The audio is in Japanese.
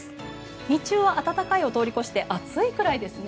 日中は暖かいを通り越して暑いぐらいですね。